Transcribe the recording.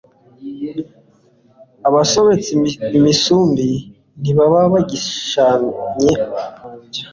abasobetse imisumbi ntibaba bagihishanye amabya